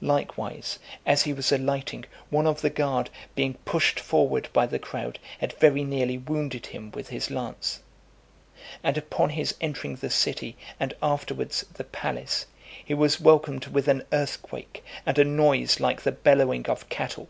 Likewise, as he was alighting, one of the guard, being pushed forward by the crowd, had very nearly wounded him with his lance. And upon his entering the city and, afterwards, the palace, he was welcomed with an earthquake, and a noise like the bellowing of cattle.